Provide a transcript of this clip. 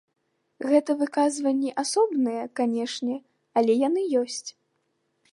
Гэта выказванні асобныя, канешне, але яны ёсць.